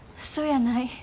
そやない。